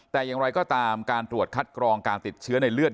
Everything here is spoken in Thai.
แต่อย่างไรก็ตามการตรวจคัดกรองการติดเชื้อในเลือด